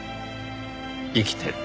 生きてる。